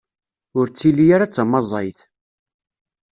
Ur ttili ara d tamaẓayt.